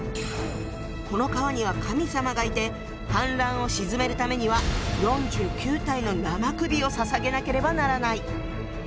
この川には神様がいて氾濫を鎮めるためには４９体の生首を捧げなければならない。